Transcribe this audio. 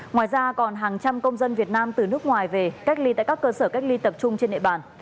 ngoài ra còn hàng trăm công dân việt nam từ nước ngoài về cách ly tại các cơ sở cách ly tập trung trên địa bàn